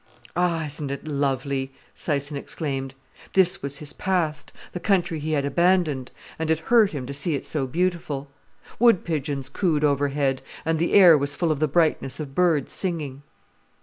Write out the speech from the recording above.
"Ah, isn't it lovely!" Syson exclaimed; this was his past, the country he had abandoned, and it hurt him to see it so beautiful. Wood pigeons cooed overhead, and the air was full of the brightness of birds singing.